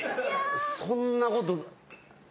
そんなこと。